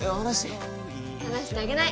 離してあげない！